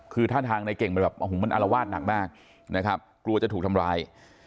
คือท่านทางในเก่งมันอารวาสหนังมากนะครับกลัวจะถูกทำร้าย